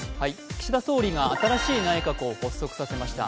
岸田総理が新しい内閣を発足させました